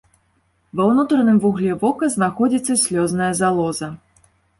Ва ўнутраным вугле вока знаходзіцца слёзная залоза.